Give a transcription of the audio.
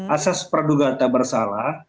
asas peradugaan tak bersalah